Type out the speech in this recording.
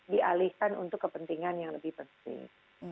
dialihkan untuk kepentingan yang lebih penting